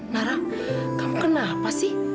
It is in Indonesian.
nara kamu kenapa sih